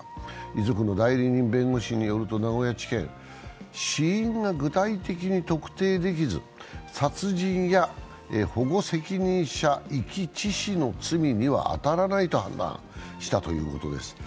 遺族の代理人弁護士によると名古屋地検は死因が具体的に特定できず、殺人や保護責任者遺棄致死の罪には当たらないと判断したということです。